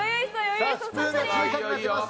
さあスプーンが小さくなっています。